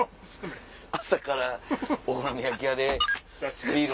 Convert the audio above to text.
朝からお好み焼き屋でビール。